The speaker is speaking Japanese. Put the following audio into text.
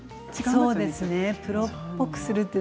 そうですね。